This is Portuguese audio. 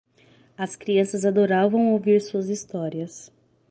As crianças adoravam ouvir suas histórias.